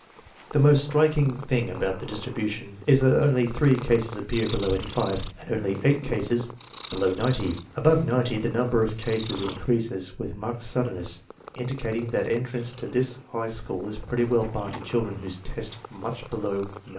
The most striking thing about the distribution is that only three cases appear below 85, and only eight cases be low 90. Above 90 the number of cases increases with marked suddenness, indicating that entrance to this high school is pretty well barred to children who test much below 90.